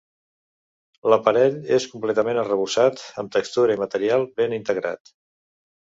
L'aparell és completament arrebossat amb textura i material ben integrat.